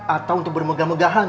atau untuk bermegah megahan